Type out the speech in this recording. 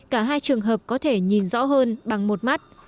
cả hai trường hợp có thể nhìn rõ hơn bằng một mắt